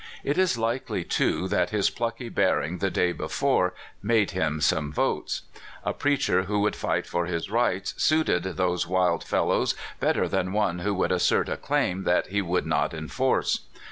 It is likely, too, that his plucky bearing the day before made him some votes. A preacher who would fight for his rights suited those wild fellows better than one who would assert a claim that he would not enforce.